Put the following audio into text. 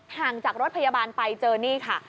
ห่างจากรถพยาบาลไปเจอนี่ค่ะ